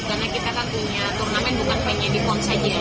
karena kita kan punya turnamen bukan pengen di pon saja